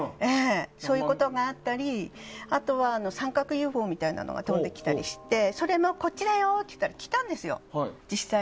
そういうことがあったりあとは、三角ＵＦＯみたいなのが飛んできたりしてそれもこっちだよ！って言ったら来たんですよ。